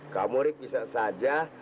kamu rip bisa saja